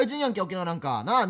沖縄なんかなっ。